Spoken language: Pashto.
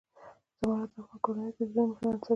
زمرد د افغان کورنیو د دودونو مهم عنصر دی.